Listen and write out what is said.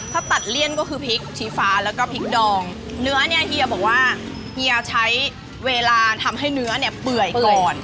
ถ้าตัดเลี่ยนก็คือพริกชี้ฟ้าแล้วก็พริกดองเนื้อเนี่ยเฮียบอกว่าเฮียใช้เวลาทำให้เนื้อเนี่ยเปื่อยก่อน